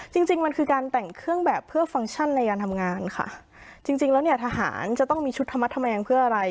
จริงจริงมันคือการแต่งเครื่องแบบเพื่อฟังก์ชั่นในการทำงานค่ะจริงจริงแล้วเนี่ยทหารจะต้องมีชุดธรรมแงงเพื่ออะไร